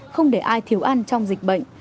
không để ai thiếu ăn trong dịch bệnh